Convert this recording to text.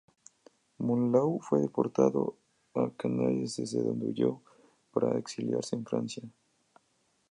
Monlau fue deportado a Canarias desde donde huyó para exiliarse en Francia.